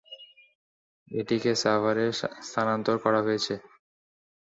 এটিকে সাভারে স্থানান্তর করা হয়েছে।